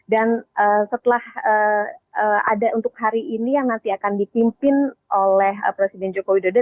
dan setelah ada untuk hari ini yang nanti akan dipimpin oleh presiden joko widodo